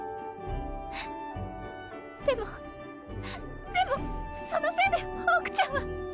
でもでもそのせいでホークちゃんは。